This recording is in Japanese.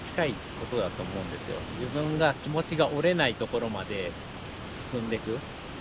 自分が気持ちが折れないところまで進んでく。